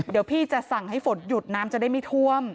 เดี๋ยวพี่จะสั่งให้ฝนหยุดน้ำจะได้ไม่ท่วม